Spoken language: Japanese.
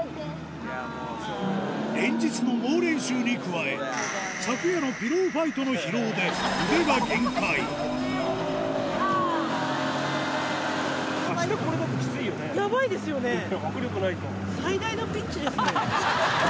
連日の猛練習に加え昨夜のピローファイトの疲労で握力ないと。